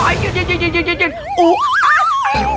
อย่า